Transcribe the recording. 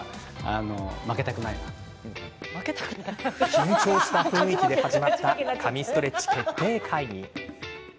緊張した雰囲気で始まりました神ストレッチ決定会議。